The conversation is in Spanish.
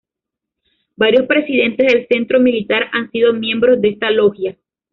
Varios presidentes del Centro Militar han sido miembros de esta logia.